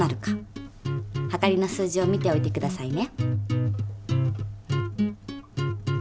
はかりの数字を見ておいてくださいね。